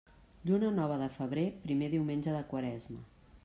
Lluna nova de febrer, primer diumenge de quaresma.